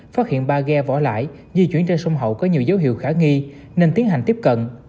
phát hiện ba ghe vỏ lãi di chuyển trên sông hậu có nhiều dấu hiệu khả nghi nên tiến hành tiếp cận